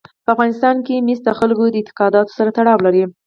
په افغانستان کې مس د خلکو د اعتقاداتو سره تړاو لري.